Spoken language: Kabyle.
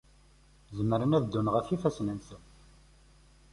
Zemren ad ddun ɣef yifassen-nsen.